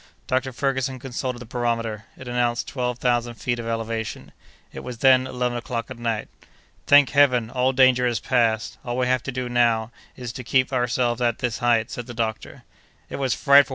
Dr. Ferguson consulted the barometer; it announced twelve thousand feet of elevation. It was then eleven o'clock at night. "Thank Heaven, all danger is past; all we have to do now, is, to keep ourselves at this height," said the doctor. "It was frightful!"